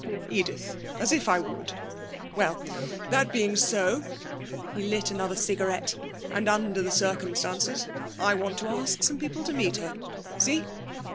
'Edith! As if I would! Well, that being so' he lit another cigarette 'and under the circumstances, I want to ask some people to meet her. See?'